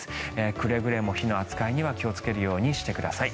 くれぐれも火の扱いには気をつけるようにしてください。